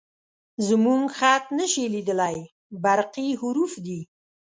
_زموږ خط نه شې لېدلی، برقي حروف دي